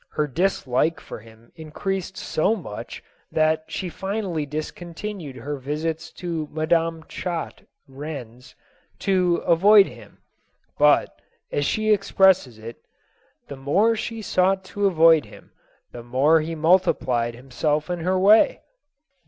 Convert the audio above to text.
Her dislike for him increased so much that she finally discontinued her visits to Madame Chat ... Ren . .'s, to avoid him : but, as she expresses it, " the more she sought to avoid him, the more he multiplied himself in her way."